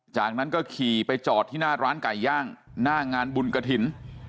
จากนั้นก็ขี่ไปจอดที่หน้าร้านไก่ย่างหน้างานบุญกระถิ่น